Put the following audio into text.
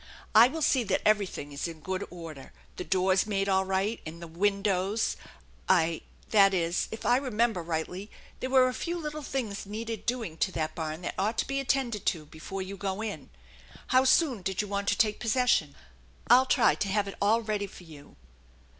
" I will see that everything is in good order, the doors made all right, and the windows I that is, if I remember rightly there were a few little things needed doing to that barn that ought to be attended to before you go in. How soon did you want to take possession ? I'll try to have it all ready for you."